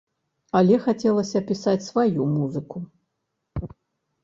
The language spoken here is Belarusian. Але хацелася пісаць сваю музыку.